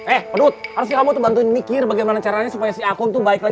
eh pedut harusnya kamu tuh bantuin mikir bagaimana caranya supaya si akung tuh baik lagi sama esi